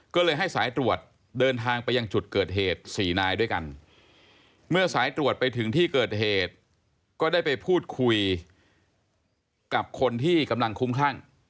ก็เลยให้สายตรวจเดินทางไปยังจุดเกิดเหตุ๔นายด้วยกันเมื่อสายตรวจไปถึงที่เกิดเหตุก็ได้ไปพูดคุยกับคนที่กำลังคุ้มคลั่ง